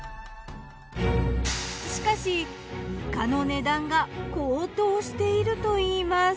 しかしイカの値段が高騰しているといいます。